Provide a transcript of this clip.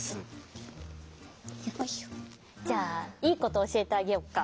じゃあいいことおしえてあげよっか。